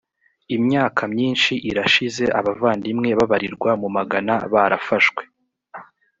imyaka myinshi irashize abavandimwe babarirwa mu magana barafashwe